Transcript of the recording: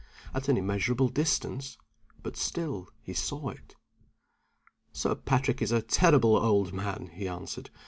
At an immeasurable distance but still he saw it. "Sir Patrick is a terrible old man," he answered.